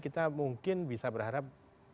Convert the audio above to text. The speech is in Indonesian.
kita mungkin bisa berharap